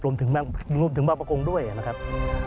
รวมถึงบางประกงด้วยนะครับ